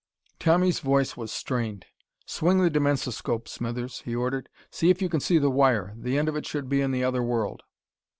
Tommy's voice was strained. "Swing the dimensoscope, Smithers," he ordered. "See if you can see the wire. The end of it should be in the other world."